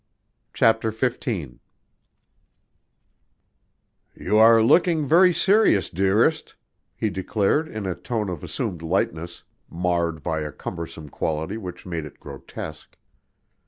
CHAPTER XV "You are looking very serious, dearest," he declared in a tone of assumed lightness, marred by a cumbersome quality which made it grotesque.